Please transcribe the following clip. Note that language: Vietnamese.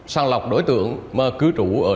sàng lọc đối tượng mà cứ trụ ở